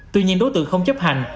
tuy nhiên đối tượng không chấp hành